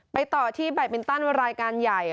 ต่อที่แบตมินตันรายการใหญ่